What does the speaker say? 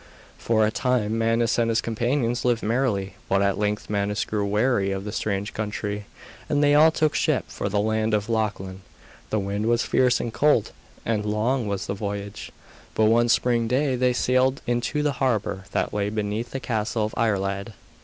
For a time Manus and his companions lived merrily, but at length Manus grew weary of the strange country, and they all took ship for the land of Lochlann. The wind was fierce and cold, and long was the voyage; but, one spring day, they sailed into the harbour that lay beneath the castle of Iarlaid.